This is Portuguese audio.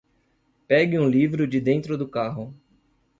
Pegue um livro de dentro do carro